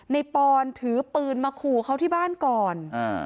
ปอนถือปืนมาขู่เขาที่บ้านก่อน